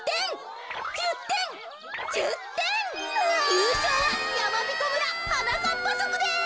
ゆうしょうはやまびこ村はなかっぱぞくです。